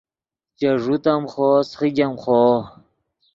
چے ݱوت ام خوو سیخیګ ام خوو